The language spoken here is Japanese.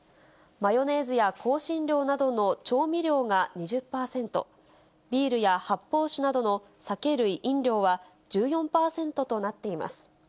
マヨネーズや香辛料などの調味料が２０％、ビールや発泡酒などの酒類・飲料は１４％となっています。